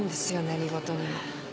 何事にも。